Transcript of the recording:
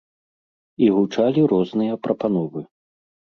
І гучалі розныя прапановы.